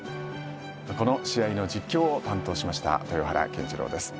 この試合の実況を担当しました豊原謙二郎です。